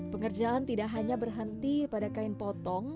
pengerjaan tidak hanya berhenti pada kain potong